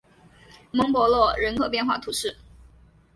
蒙博洛人口变化图示